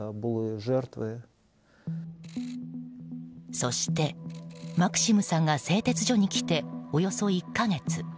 そして、マクシムさんが製鉄所に来て、およそ１か月。